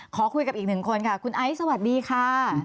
ขอคุยกับอีกหนึ่งคนค่ะคุณไอซ์สวัสดีค่ะ